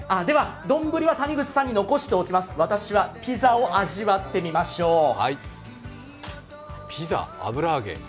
では丼は谷口さんに残しておきます、私はピザを味わってみましょう。